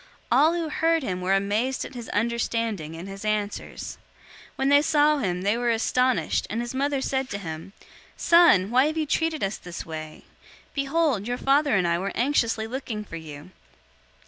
002:047 All who heard him were amazed at his understanding and his answers. 002:048 When they saw him, they were astonished, and his mother said to him, "Son, why have you treated us this way? Behold, your father and I were anxiously looking for you."